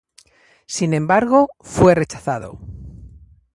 Sin embargo, fue rechazado.